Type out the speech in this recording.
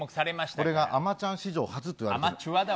これがあまちゃん史上初っていわれている。